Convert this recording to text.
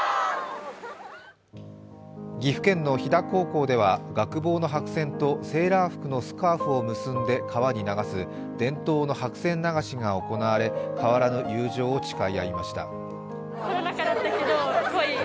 岐阜県の斐太高校では学帽の白線とセーラー服のスカーフを結んで川に流す伝統の白線流しが行われ変わらぬ友情を誓い合いました。